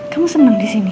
kamu seneng di sini